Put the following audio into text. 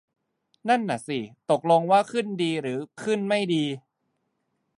นั่นน่ะสิ ตกลงว่าขึ้นดีหรือขึนไม่ดี